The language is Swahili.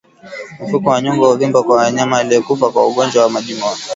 Mfuko wa nyongo huvimba kwa mnyama aliyekufa kwa ugonjwa wa majimoyo